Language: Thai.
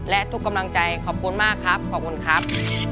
และทุกกำลังใจขอบคุณมากครับขอบคุณครับ